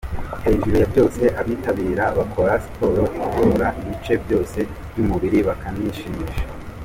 Hejuru ya byose abitabira bakora siporo igorora ibice byose by’umubiri bakanishimisha.